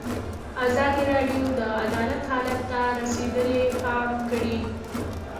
ازادي راډیو د عدالت حالت ته رسېدلي پام کړی.